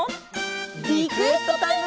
リクエストタイム！